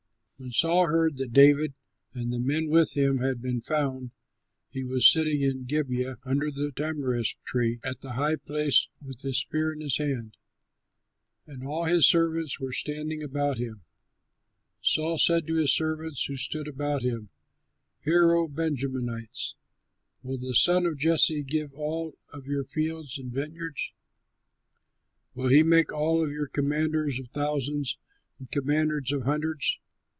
When Saul heard that David and the men with him had been found, he was sitting in Gibeah, under the tamarisk tree at the high place, with his spear in his hand. And all his servants were standing about him. Saul said to his servants who stood about him, "Hear, O Benjamites! Will the son of Jesse give all of you fields and vineyards? Will he make all of you commanders of thousands and commanders of hundreds?